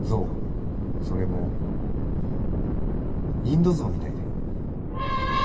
それもインド象みたいで。